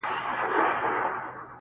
نه تر لسو بجؤ بې لمانځه خميره